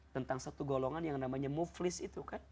tentang satu golongan yang namanya muflis itu kan